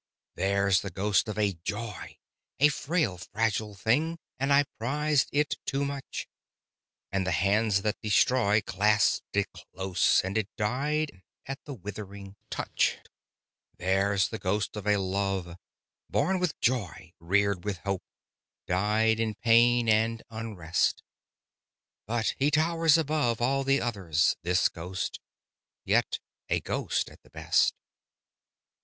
There's the ghost of a Joy, A frail, fragile thing, and I prized it too much, And the hands that destroy Clasped it close, and it died at the withering touch. There's the ghost of a Love, Born with joy, reared with hope, died in pain and unrest, But he towers above All the others—this ghost: yet a ghost at the best.